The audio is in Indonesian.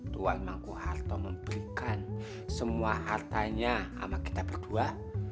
tuhan mangku harto memberikan semua hartanya sama kita berdua